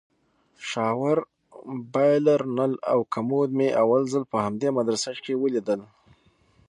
شاور بايلر نل او کموډ مې اول ځل په همدې مدرسه کښې وليدل.